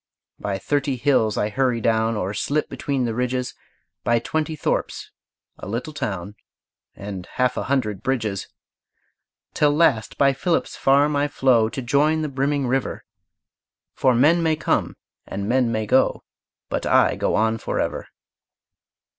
By thirty hills I hurry down, Or slip between the ridges; By twenty thorps, a little town, And half a hundred bridges. Till last by Philip's farm I flow To join the brimming river; For men may come and men may go, But I go on forever.